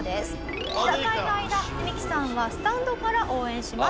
戦いの間ミキさんはスタンドから応援します。